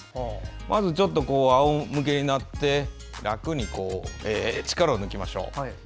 まず、あおむけになって楽に力を抜きましょう。